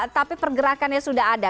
tapi pergerakannya sudah ada